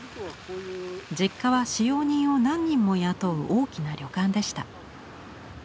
実家は使用人を何人も雇う大きな旅館でした。